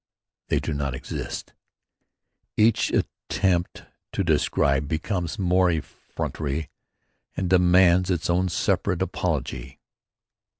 They do not exist. Each attempt to describe becomes near effrontery and demands its own separate apology.